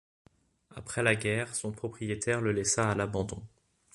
Après la guerre, son propriétaire le laissa à l'abandon.